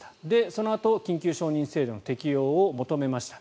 そのあとに緊急承認制度の適用を求めました。